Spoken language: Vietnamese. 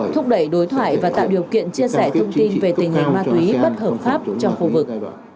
thúc đẩy đối thoại và tạo điều kiện chia sẻ thông tin về tình hình ma túy bất hợp pháp trong khu vực